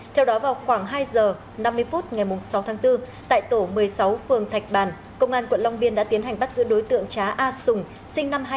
theo đó vào khoảng hai giờ năm mươi phút ngày sáu tháng bốn tại tổ một mươi sáu phường thạch bàn công an quận long biên đã tiến hành bắt giữ đối tượng trá a sùng sinh năm hai nghìn